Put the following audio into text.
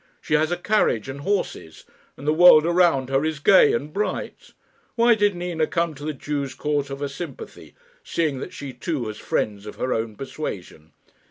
She has a carriage and horses, and the world around her is gay and bright. Why did Nina come to the Jews' quarter for sympathy, seeing that she, too, has friends of her own persuasion?